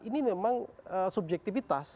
ini memang subjektivitas